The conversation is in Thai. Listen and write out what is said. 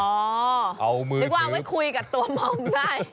นึกว่าเอาไว้คุยกับตัวมอมได้